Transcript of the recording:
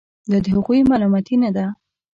دا د هغوی ملامتي نه ده.